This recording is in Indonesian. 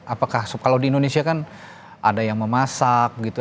apakah kalau di indonesia kan ada yang memasak gitu